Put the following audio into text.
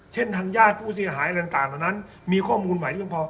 เช่นทางญาติผู้เสียหายอะไรต่างต่างตอนนั้นมีข้อมูลใหม่เรื่องพอ